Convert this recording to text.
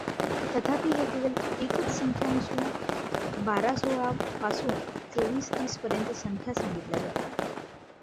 तथापि ही केवळ एकच संख्या नसून बारासोळा पासून चोवीस तीस पर्यंत संख्या सांगितल्या जातात.